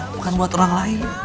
bukan buat orang lain